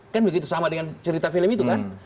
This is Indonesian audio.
kan begitu sama dengan cerita film itu kan